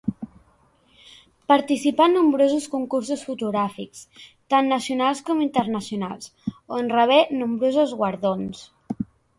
Participà en nombrosos concursos fotogràfics, tant nacionals com internacionals, on rebé nombrosos guardons.